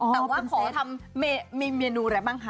แต่ว่ามีเมนูอะไรบ้าง